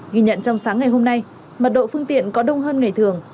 ghi nhận trong sáng ngày hôm nay mật độ phương tiện có đông hơn ngày thường